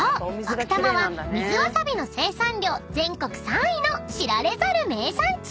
奥多摩は水ワサビの生産量全国３位の知られざる名産地］